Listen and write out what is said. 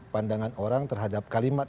pandangan orang terhadap kalimat